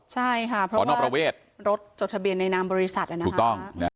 ใช่ค่ะเพราะว่ารถจบทะเบียนในนามบริษัทนะฮะ